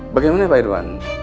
bagaimana pak irwan